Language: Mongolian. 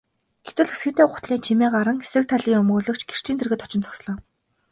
Гэтэл өсгийтэй гутлын чимээ гаран эсрэг талын өмгөөлөгч гэрчийн дэргэд очин зогслоо.